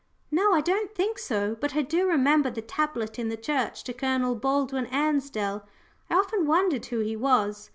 "No, I don't think so. But I do remember the tablet in the church to Colonel Baldwin Ansdell. I often wondered who he was.